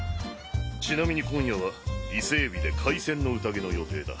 ちなみに今夜は伊勢えびで海鮮の宴の予定だ。